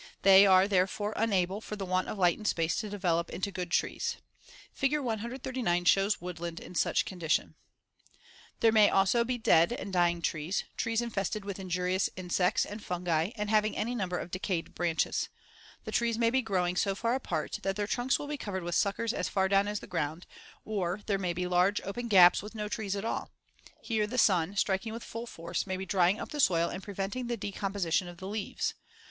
They are, therefore, unable, for the want of light and space, to develop into good trees. Fig. 139 shows woodland in such condition. [Illustration: FIG. 139. Woodland which Needs Attention. The trees are overcrowded.] There may also be dead and dying trees, trees infested with injurious insects and fungi and having any number of decayed branches. The trees may be growing so far apart that their trunks will be covered with suckers as far down as the ground, or there may be large, open gaps with no trees at all. Here the sun, striking with full force, may be drying up the soil and preventing the decomposition of the leaves.